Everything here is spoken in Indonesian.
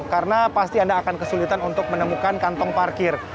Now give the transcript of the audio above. karena pasti anda akan kesulitan untuk menemukan kantong parkir